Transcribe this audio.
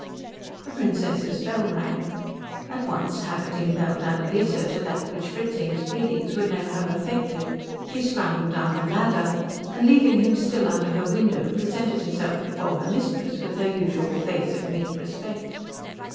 The Princess's bell rang. At once habit impelled Annalise to that which Fritzing's pleadings would never have effected; she scrambled down the ladder, and leaving him still under her window presented herself before her mistress with her usual face of meek respect.